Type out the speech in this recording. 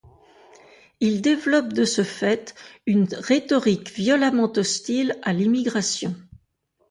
Ils développent de ce fait une rhétorique violemment hostile à l'immigration.